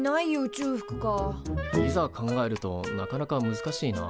いざ考えるとなかなか難しいな。